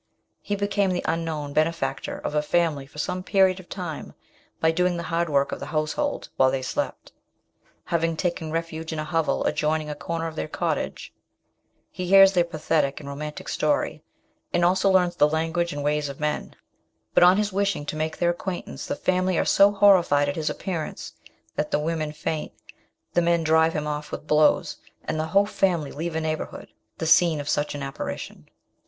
He became the unknown benefactor of a family for some period of time by doing the hard work of the household while they slept. Having taking refuge in a hovel adjoining a corner of their cottage, he hears their pathetic and romantic story, and also 106 MRS. SHELLEY. learns the language and ways of men ; but on his wishing to make their acquaintance the family are so horrified at his appearance that the women faint, the men drive him off with blows, and the whole family leave a neigbourhood, the scene of such an apparition.